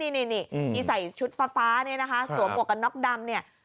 ไอ้ใส่ชุดฟ้าเนี่ยนะคะสวมปวกกับนอกดำเนี่ย